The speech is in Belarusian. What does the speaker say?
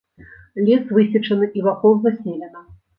Лес высечаны, і вакол заселена.